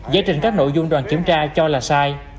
giải trình các nội dung đoàn kiểm tra cho là sai